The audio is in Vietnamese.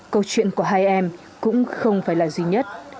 câu chuyện của hai em cũng không phải là duy nhất